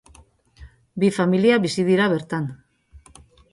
Bi familia bizi dira bertan.